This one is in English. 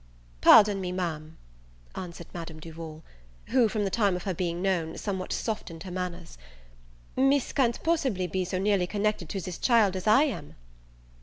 "Pardon me, Ma'am," answered Madame Duval, (who, from the time of her being known, somewhat softened her manners) "Miss can't possibly be so nearly connected to this child as I am."